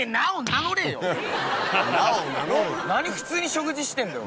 何普通に食事してんだよ